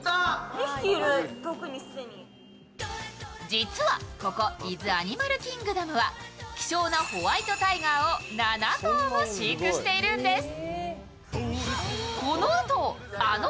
実はここ伊豆アニマルキングダムは希少なホワイトタイガーを７頭も飼育しているんです。